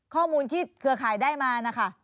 ข้อมูลที่เธอขายได้มา